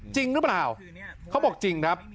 จริงหรือเปล่าเขาบอกจริงครับ